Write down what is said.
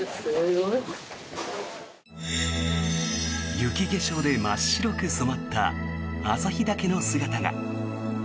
雪化粧で真っ白く染まった旭岳の姿が。